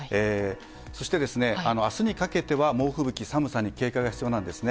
そして、明日にかけては猛吹雪や寒さに警戒が必要です。